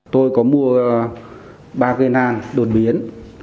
tôi có mua ba cây nan đột biến